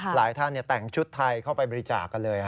หลายท่านแต่งชุดไทยเข้าไปบริจาคกันเลย